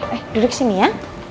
eh duduk sini ya